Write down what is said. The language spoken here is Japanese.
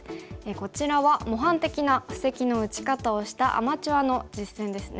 こちらは模範的な布石の打ち方をしたアマチュアの実戦ですね。